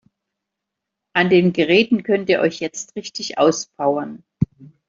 An den Geräten könnt ihr euch jetzt richtig auspowern.